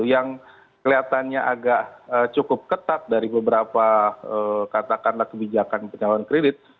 yang kelihatannya agak cukup ketat dari beberapa katakanlah kebijakan penyaluran kredit